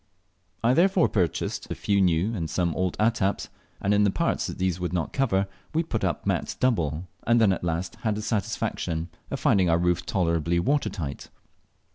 I therefore purchased a few new and some old attaps, and in the parts these would not cover we put the mats double, and then at last had the satisfaction of finding our roof tolerably water tight.